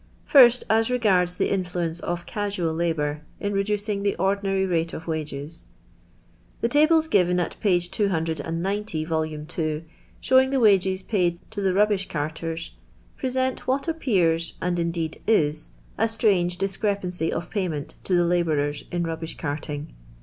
First as regards the influence of casual labour in reducing the ordinary rate of wages. The tables given at p. 290, vol. ii., showing the wages paid toHhc nibbish carters, present what ap pears, and indeed is, a strange discrepancy of pay ment to the labourers in rubbish carting.